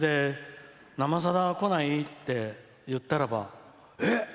「生さだ」来ない？って言ったらばえ？